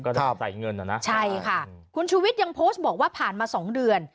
ก็ถ่ายเงินเหรอนะใช่ค่ะคุณสุวิตยังโพสต์บอกว่าผ่านมาสองเดือน